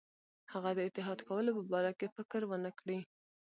هغه د اتحاد کولو په باره کې فکر ونه کړي.